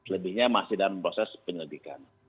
lebihnya masih dalam proses penyelidikan